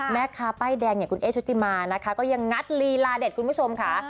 แม่ค้าป้ายแดงอย่างคุณเอ๊ชุติมานะคะก็ยังงัดลีลาเด็ดคุณผู้ชมค่ะ